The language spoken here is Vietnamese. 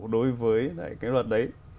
đối với cái luật đấy